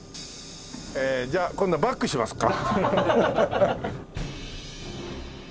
じゃあ今度はバックしますか。